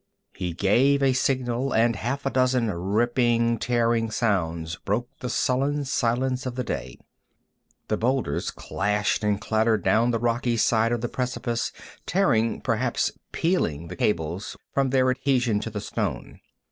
He gave a signal, and half a dozen ripping, tearing sounds broke the sullen silence of the day. The boulders clashed and clattered down the rocky side of the precipice, tearing perhaps "peeling" the cables from their adhesion to the stone.